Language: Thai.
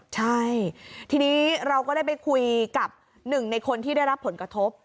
ใช่ทีนี้เราก็ได้ไปคุยกับหนึ่งในคนที่ได้รับผลกระทบ